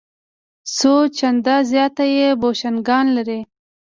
څو چنده زیات یې بوشونګان لري.